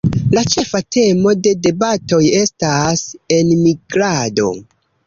La ĉefa temo de debatoj estas enmigrado.